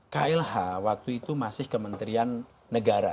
klh waktu itu masih kementerian negara